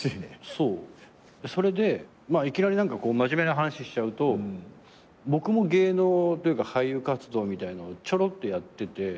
そうそれでいきなり真面目な話しちゃうと僕も芸能というか俳優活動みたいのちょろっとやってて。